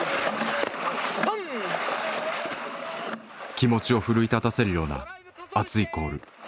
気持ちを奮い立たせるような「熱いコール」。